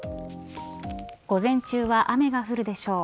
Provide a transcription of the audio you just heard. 午前中は雨が降るでしょう。